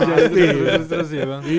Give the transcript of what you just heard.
terus terus ya bang